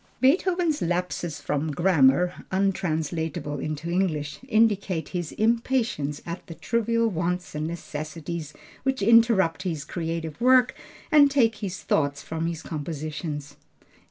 Beethoven's lapses from grammar (untranslatable into English), indicate his impatience at the trivial wants and necessities which interrupt his creative work and take his thoughts from his compositions.